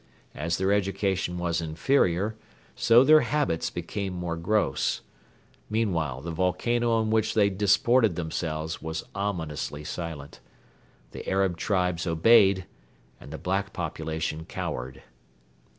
As their education was inferior, so their habits became more gross. Meanwhile the volcano on which they disported themselves was ominously silent. The Arab tribes obeyed, and the black population cowered.